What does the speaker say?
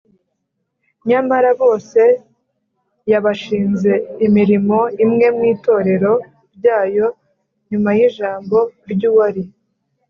nyamara bose yabashinze imirimo imwe mu itorero ryayo. nyuma y’ijambo ry’uwari